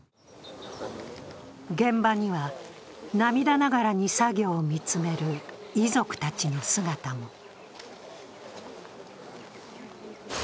現場には涙ながらに作業を見つめる遺族達の姿も。